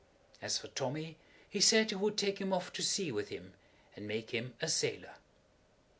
As for Tommy he said he would take him off to sea with him and make him a sailor.